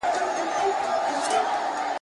څو كسان وه په كوڅه كي يې دعوه وه ,